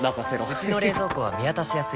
うちの冷蔵庫は見渡しやすい